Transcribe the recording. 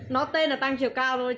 nó tên là tăng chiều cao thôi